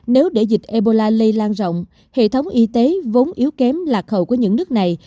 nếu để dịch ebola lây lan rộng hệ thống y tế vốn yếu kém lạc hậu của những nước này